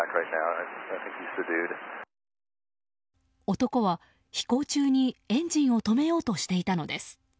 男は、飛行中にエンジンを止めようとしていたのです。